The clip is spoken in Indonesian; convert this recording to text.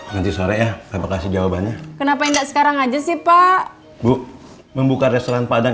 nanti sore ya saya kasih jawabannya kenapa enggak sekarang aja sih pak bu membuka restoran padang